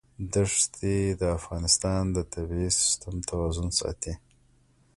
دښتې د افغانستان د طبعي سیسټم توازن ساتي.